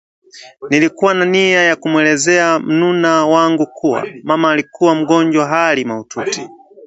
Nilikuwa na nia ya kumweleza mnuna wangu kuwa mama alikuwa mgonjwa hali mahututi